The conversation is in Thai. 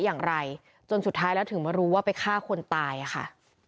อย่างไรจนสุดท้ายแล้วถึงมารู้ว่าไปฆ่าคนตายค่ะ